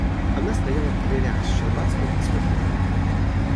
Она стояла в дверях с Щербацким и смотрела на него.